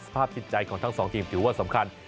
ภาพจิตใจของทั้งสองทีมถือว่าสำคัญ